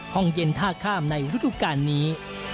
ห้องเย็นท่าข้ามในฤดูการนี้